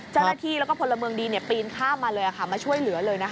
เจ้าหน้าที่แล้วก็พลเมืองดีปีนข้ามมาเลยมาช่วยเหลือเลย